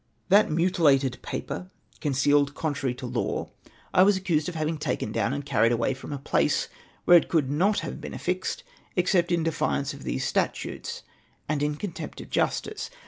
" That mutilated paper, concealed contrar}^ to law, I was accused of having taken down and carried away from a place where it could not have been affixed, except in defiance of these statutes, and in contempt of justice.